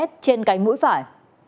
trên cánh mũi phải